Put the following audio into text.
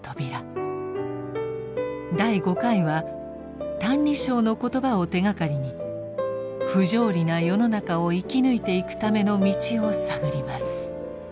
第５回は「歎異抄」の言葉を手がかりに不条理な世の中を生き抜いていくための道を探ります。